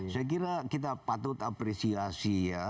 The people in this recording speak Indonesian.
saya kira kita patut apresiasi ya